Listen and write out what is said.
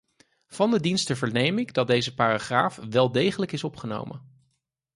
Van de diensten verneem ik dat deze paragraaf wel degelijk is opgenomen.